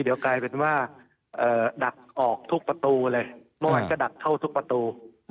เดี๋ยวกลายเป็นว่าดักออกทุกประตูเลยเมื่อวานก็ดักเข้าทุกประตู